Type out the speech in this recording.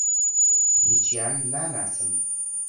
هیچیان ناناسم.